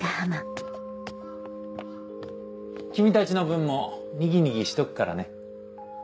君たちの分もにぎにぎしておくからね。